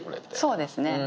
そうですね。